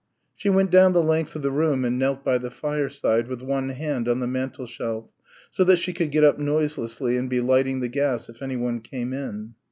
She went down the length of the room and knelt by the fireside with one hand on the mantel shelf so that she could get up noiselessly and be lighting the gas if anyone came in.